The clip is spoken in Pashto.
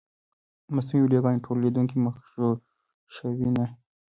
مصنوعي ویډیوګانې ټول لیدونکي مغشوشوي نه.